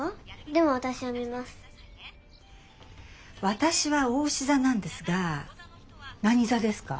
私はおうし座なんですが何座ですか？